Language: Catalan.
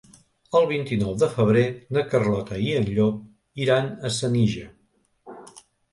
El vint-i-nou de febrer na Carlota i en Llop iran a Senija.